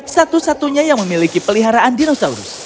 satu satunya yang memiliki peliharaan dinosaurus